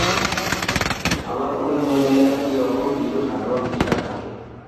আবার অনেক ধর্মে একই রকম কিছু সাধারণ বিশ্বাস থাকে।